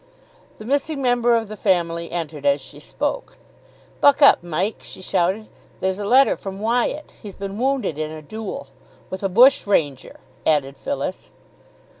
The missing member of the family entered as she spoke. "Buck up, Mike," she shouted. "There's a letter from Wyatt. He's been wounded in a duel." "With a bushranger," added Phyllis.